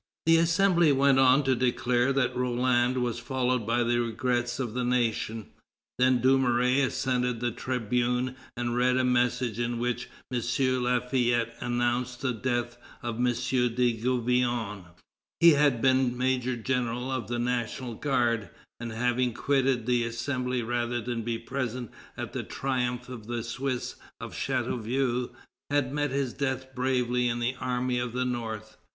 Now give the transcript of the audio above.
The Assembly went on to declare that Roland was followed by the regrets of the nation. Then Dumouriez ascended the tribune and read a message in which M. Lafayette announced the death of M. de Gouvion. He had been major general of the National Guard, and, having quitted the Assembly rather than be present at the triumph of the Swiss of Chateauvieux, had met his death bravely in the Army of the North.